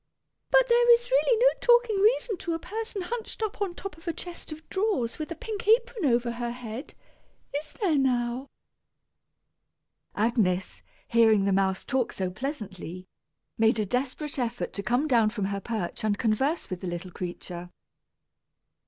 But there is really no talking reason to a person hunched up on top of a chest of drawers with a pink apron over her head; is there, now?" Agnes, hearing the mouse talk so pleasantly, made a desperate effort to come down from her perch and converse with the little creature.